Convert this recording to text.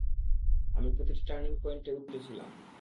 আমি প্রতিটি টার্নিং পয়েন্টে উত্তেজিত ছিলাম।